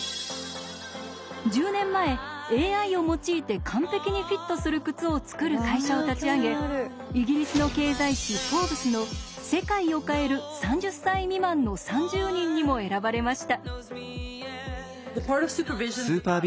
１０年前ＡＩを用いて完璧にフィットする靴を作る会社を立ち上げイギリスの経済誌「Ｆｏｒｂｅｓ」の「世界を変える３０歳未満の３０人」にも選ばれました。